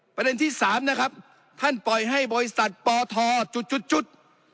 ประเด็นที่สามนะครับท่านปล่อยให้บริษัทปธจุดจุดจุด